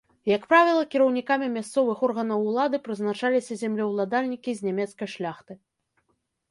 Як правіла, кіраўнікамі мясцовых органаў улады прызначаліся землеўладальнікі з нямецкай шляхты.